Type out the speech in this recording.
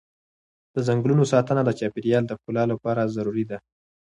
د ځنګلونو ساتنه د چاپېر یال د ښکلا لپاره ضروري ده.